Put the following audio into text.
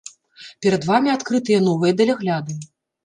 Перад вамі адкрытыя новыя далягляды.